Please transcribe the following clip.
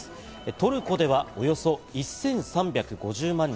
トルコではおよそ１３５０万人。